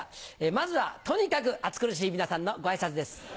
まずはとにかく暑苦しい皆さんのご挨拶です。